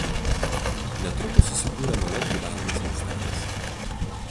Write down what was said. Netrukus susikūrė nuolat gyvenamas miestelis.